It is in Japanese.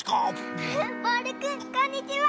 ボールくんこんにちは！